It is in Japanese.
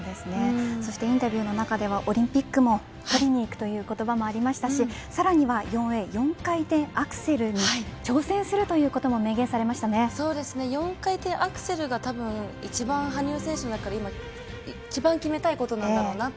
そしてインタビューの中ではオリンピックも取りにいくという言葉もありましたしさらには４Ａ、４回転アクセルに挑戦するということも４回転アクセルがたぶん羽生選手の中で一番決めたいことなんだろうなって